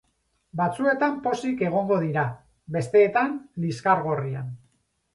Batzuetan pozik egongo dira; bestetan, liskar gorrian.